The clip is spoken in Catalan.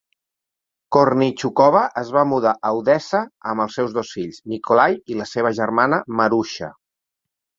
Korneychukova es va mudar a Odessa amb els seus dos fills, Nikolay i la seva germana Marussia.